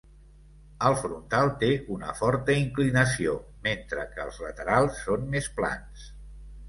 El frontal té una forta inclinació, mentre que els laterals són més plans.